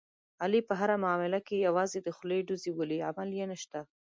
علي په هره معامله کې یوازې د خولې ډوزې ولي، عمل یې نشته.